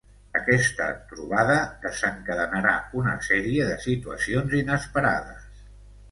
Aquesta trobada desencadenarà una sèrie de situacions inesperades.